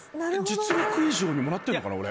実力以上にもらってるのかな俺。